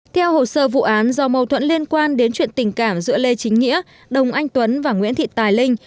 theo hồ sơ vụ án do mâu thuẫn liên quan đến chuyện tình cảm giữa lê chính nghĩa đồng anh tuấn và nguyễn thị tài linh